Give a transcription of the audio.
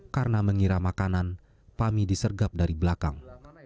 karena mengira makanan pami disergap dari belakang